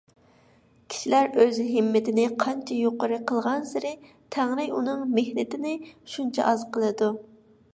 كىشىلەر ئۆز ھىممىتىنى قانچە يۇقىرى قىلغانسېرى، تەڭرى ئۇنىڭ مېھنىتىنى شۇنچە ئاز قىلىدۇ.